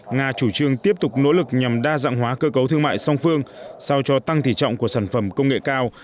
nga chủ trương tiếp tục nỗ lực nhằm đa dạng hóa cơ cấu thương mại song phương sao cho tăng tỉ trọng của sản phẩm công nghệ cao